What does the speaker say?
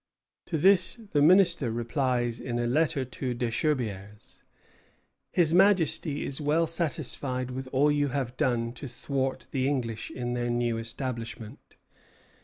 To this the Minister replies in a letter to Desherbiers: "His Majesty is well satisfied with all you have done to thwart the English in their new establishment.